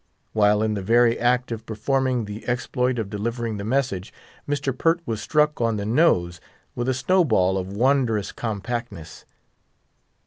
While in the very act of performing the exploit of delivering the message, Mr. Pert was struck on the nose with a snow ball of wondrous compactness.